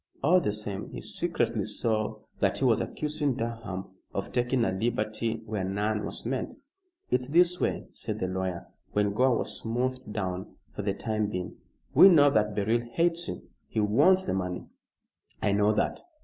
All the same, he secretly saw that he was accusing Durham of taking a liberty where none was meant. "It's this way," said the lawyer, when Gore was smoothed down for the time being. "We know that Beryl hates you." "He wants the money." "I know that."